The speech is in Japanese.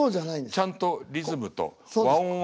ちゃんとリズムと和音は。